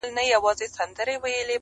شېرينې مرگ زموږ پر ژوند باندې وا وا وايي